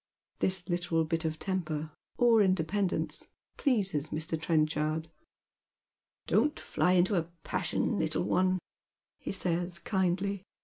This httle bit of temper, or independence, pleases Mr. Tren chard. " Don't fly into a passion, little one," he says, kindly.